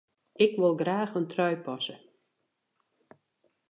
Ik wol graach in trui passe.